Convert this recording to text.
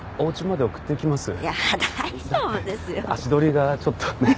だって足取りがちょっとねえ？